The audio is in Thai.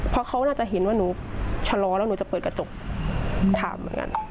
เพราะเขาน่าจะเห็นว่าหนูชะลอแล้วหนูจะเปิดกระจกถามเหมือนกัน